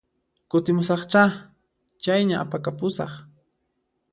Kutimusaqchá, chayña apakapusaq